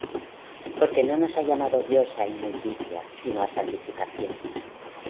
Porque no nos ha llamado Dios á inmundicia, sino á santificación.